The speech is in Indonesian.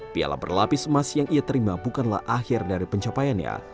piala berlapis emas yang ia terima bukanlah akhir dari pencapaiannya